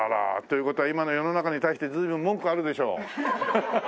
という事は今の世の中に対して随分文句あるでしょ？